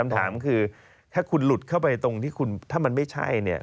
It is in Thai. คำถามคือถ้าคุณหลุดเข้าไปตรงที่คุณถ้ามันไม่ใช่เนี่ย